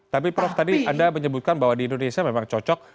tapi prof tadi anda menyebutkan bahwa di indonesia memang cocok